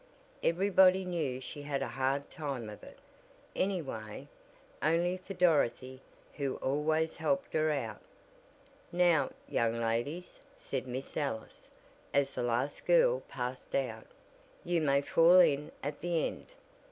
Everybody knew she had a hard time of it, anyway, only for Dorothy, who always helped her out. "Now, young ladies," said Miss Ellis, as the last girl passed out, "you may fall in at the end."